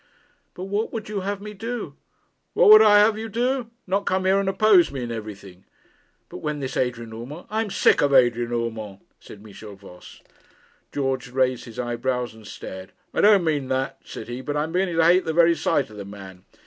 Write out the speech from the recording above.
'But what would you have had me do?' 'What would I have had you do? Not come here and oppose me in everything.' 'But when this Adrian Urmand ' 'I am sick of Adrian Urmand,' said Michel Voss. George raised his eyebrows and stared. 'I don't mean that,' said he; 'but I am beginning to hate the very sight of the man.